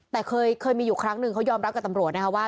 แต่เคยมีอยู่ครั้งหนึ่งเขายอมรับกับตำรวจนะคะว่า